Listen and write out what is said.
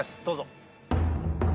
どうぞ。